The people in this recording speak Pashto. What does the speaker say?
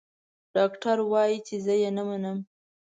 ډاکټر وايي چې زه يې نه منم.